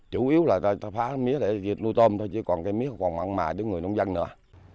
chủ yếu là người ta phá mía để dịch nuôi tôm thôi chứ còn cây mía còn mặn mài tới người nông dân nữa